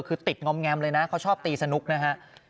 คือติดงอมแงมเลยนะเขาชอบตีสนุกนะฮะ